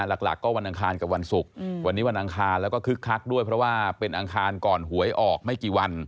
หลักก็วันอังคารกับวันศุกร์วันนี้วันอังคารแล้วก็คึกคักด้วยเพราะว่าเป็นอังคารก่อนหวยออกไม่กี่วัน